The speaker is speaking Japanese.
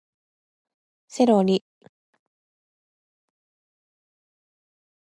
セロリ